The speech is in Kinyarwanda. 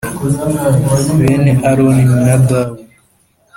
Bene aroni ni nadabu